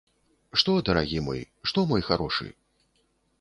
Што, дарагі мой, што, мой харошы?